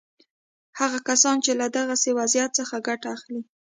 هغه کسان چې له دغسې وضعیت څخه ګټه اخلي.